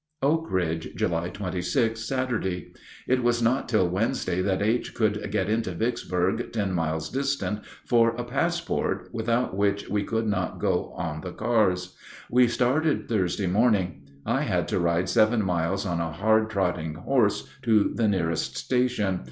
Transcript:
Oak Ridge, July 26, Saturday. It was not till Wednesday that H. could get into Vicksburg, ten miles distant, for a passport, without which we could not go on the cars. We started Thursday morning. I had to ride seven miles on a hard trotting horse to the nearest station.